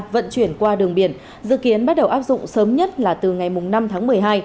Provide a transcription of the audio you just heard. vận chuyển qua đường biển dự kiến bắt đầu áp dụng sớm nhất là từ ngày năm tháng một mươi hai